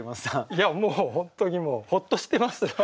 いやもう本当にもうホッとしてますよ。